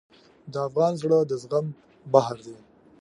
د افغان زړه د زغم بحر دی.